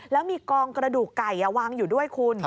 แล้วมีกองกระดูกไก่วางอยู่ด้วยคุณ